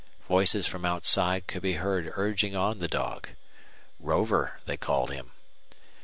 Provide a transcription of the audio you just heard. Voices from outside could be heard urging on the dog. Rover they called him.